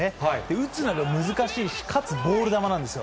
打つのが難しいし、かつボール球なんです。